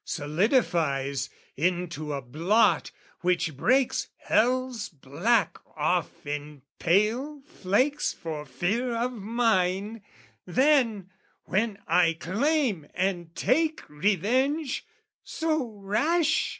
Solidifies into a blot which breaks Hell's black off in pale flakes for fear of mine, Then, when I claim and take revenge "So rash?"